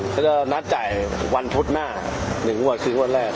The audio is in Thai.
ก็จะหนักจ่ายวันพุธหน้า๑งวดคืองวันแรก